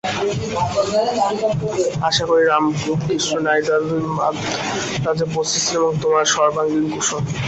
আশা করি, রামকৃষ্ণ নাইডু এতদিনে মান্দ্রাজে পৌঁছেছেন এবং তোমাদের সর্বাঙ্গীণ কুশল।